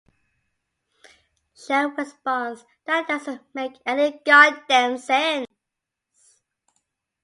Chef responds "That doesn't make any goddamned sense!".